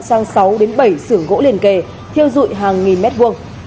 sang sáu bảy xưởng gỗ liền kề thiêu dụi hàng nghìn mét vuông